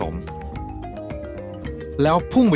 โอ้โห